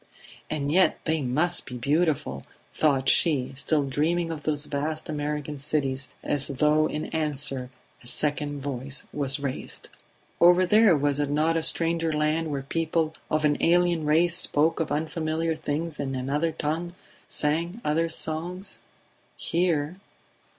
"And yet they must be beautiful!" thought she, still dreaming of those vast American cities ... As though in answer, a second voice was raised. Over there was it not a stranger land where people of an alien race spoke of unfamiliar things in another tongue, sang other songs? Here